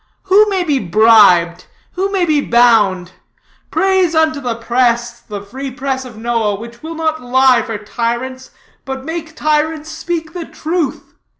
Who may be bribed? Who may be bound? Praise be unto the press, the free press of Noah, which will not lie for tyrants, but make tyrants speak the truth.